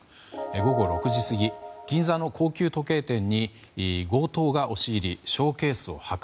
午後６時過ぎ銀座の高級時計店に強盗が押し入りショーケースを破壊。